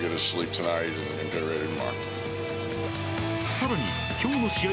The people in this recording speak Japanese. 更に、今日の試合